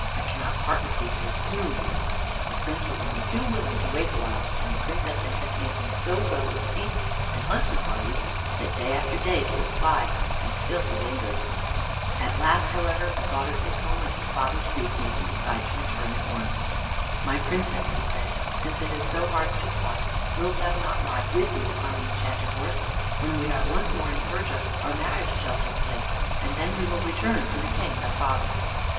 "I cannot part with thee so soon." The Prince was only too willing to wait a while, and the Princess entertained him so well with feasts and hunting parties that day after day slipped by, and still he lingered. At last, however, the thought of his home and his father's grief made him decide to return at once. "My Princess," he said, "since it is so hard to part, wilt thou not ride with me upon the Enchanted Horse? When we are once more in Persia our marriage shall take place, and then we will return to the King thy father."